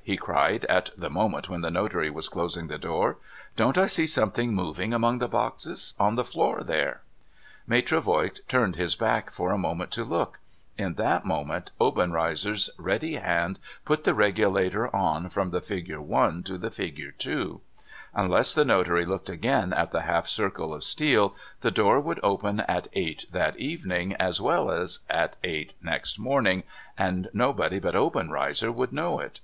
' he cried, at the moment when the notary was closing the door. ' Don't I see something moving among the boxes — on the floor there ?' (Maitre Voigt turned his back for a moment to look. In that moment, Obenreizer's ready hand put the regulator on, from the figure ' L' to the figure ' H.' Unless the notary looked again at the half circle of steel, the door would open at eight that evening, as well as at eight next morning, and nobody but Obenreizer would know it.)